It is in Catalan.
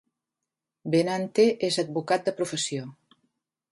Benante és advocat de professió.